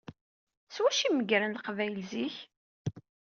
S wacu i meggren Leqbayel zik?